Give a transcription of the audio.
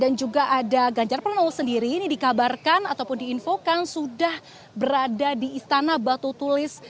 dan juga ada ganjarra pranowo sendiri ini dikabarkan ataupun diinfokan sudah berada di istana batu tulis